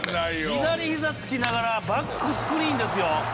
左膝つきながらバックスクリーンですよ。